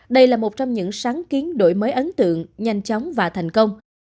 đây là một trong những sáng kiến đổi mới ấn tượng nhanh chóng và thành công